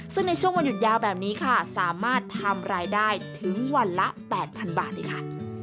ซึ่งในช่วงวันหยุดยาวแบบนี้ค่ะสามารถทำรายได้ถึงวันละ๘๐๐๐บาทเลยค่ะ